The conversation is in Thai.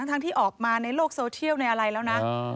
ทั้งที่ออกมาในโลกโซเทียลในอะไรแล้วนะ